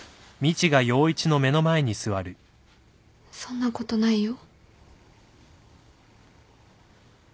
そんなことないよ。